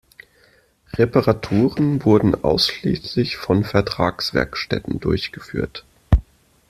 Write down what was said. Reparaturen wurden ausschließlich von Vertragswerkstätten durchgeführt.